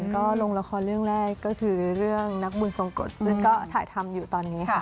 ก็ลงละครเรื่องแรกก็คือเรื่องนักบุญทรงกฎซึ่งก็ถ่ายทำอยู่ตอนนี้ค่ะ